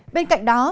bên cạnh đó